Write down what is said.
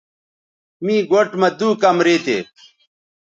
می گوٹھ مہ دُو کمرے تھے